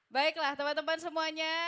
baiklah teman teman semuanya